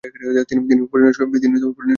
তিনি পরিণয় সূত্রে আবদ্ধ হন।